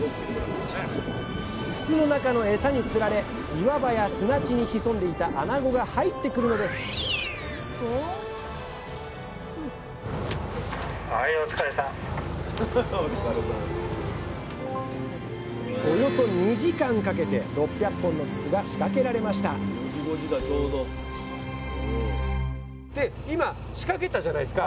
筒の中のエサにつられ岩場や砂地に潜んでいたあなごが入ってくるのですおよそ２時間かけて６００本の筒が仕掛けられましたで今仕掛けたじゃないですか。